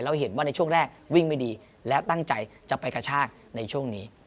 เห็นว่าในช่วงแรกวิ่งไม่ดีและตั้งใจจะไปกระชากในช่วงนี้